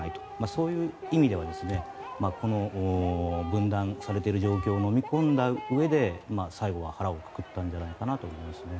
そういう意味ではこの分断されている状況を飲み込んだうえで最後は腹をくくったんじゃないかと思いますね。